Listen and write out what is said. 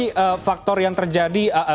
ini faktor yang terjadi